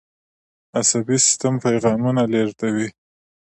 عصبي سیستم پیغامونه لیږدوي